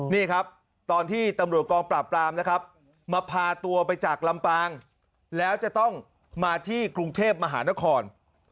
นี่ครับตอนที่ตำรวจกองปราบปรามนะครับมาพาตัวไปจากลำปางแล้วจะต้องมาที่กรุงเทพมหานคร